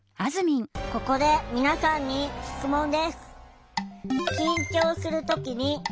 ここで皆さんに質問です。